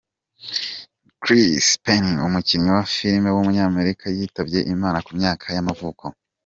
Chris Penn, umukinnyi wa filime w’umunyamerika yitabye Imana ku myaka y’amavuko.